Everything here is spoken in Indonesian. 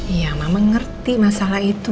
iya mama ngerti masalah itu